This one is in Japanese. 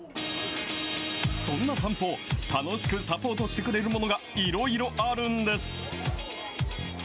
そんな散歩を楽しくサポートしてくれるものがいろいろあるんです。